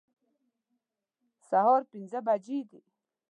سهار پنځه بجې دي